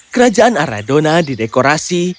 kerajaan aradona didekorasi